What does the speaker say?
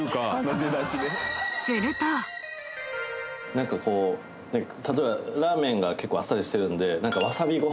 何かこうラーメンが結構あっさりしてるんで。